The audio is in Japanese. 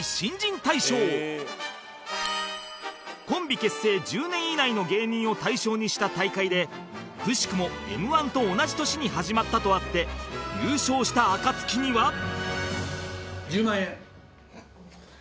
コンビ結成１０年以内の芸人を対象にした大会でくしくも Ｍ−１ と同じ年に始まったとあって優勝した暁には